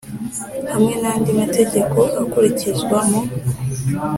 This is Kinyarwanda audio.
Hamwe n andi mategeko akurikizwa mu